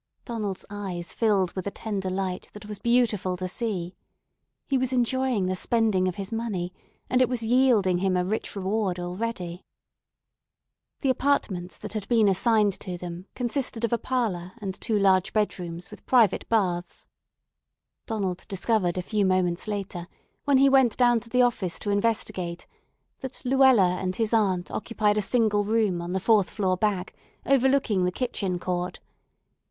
Donald's eyes filled with a tender light that was beautiful to see. He was enjoying the spending of his money, and it was yielding him a rich reward already. The apartments that had been assigned to them consisted of a parlor and two large bedrooms with private baths. Donald discovered a few moments later, when he went down to the office to investigate, that Luella and his aunt occupied a single room on the fourth floor back, overlooking the kitchen court.